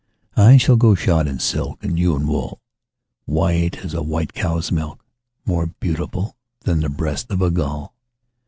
I shall go shod in silk, And you in wool, White as a white cow's milk, More beautiful Than the breast of a gull.